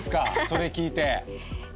それ聞いて。